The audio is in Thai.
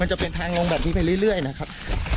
มันจะเป็นทางลงแบบนี้ไปเรื่อยเรื่อยนะครับ